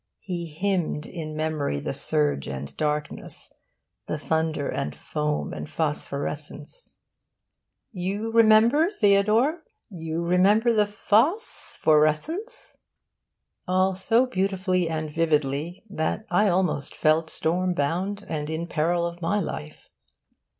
He hymned in memory the surge and darkness, the thunder and foam and phosphorescence 'You remember, Theodore? You remember the PHOS phorescence?' all so beautifully and vividly that I almost felt stormbound and in peril of my life.